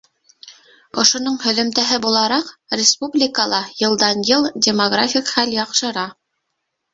Ошоноң һөҙөмтәһе булараҡ, республикала йылдан-йыл демографик хәл яҡшыра.